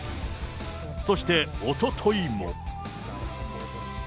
そしておとといも。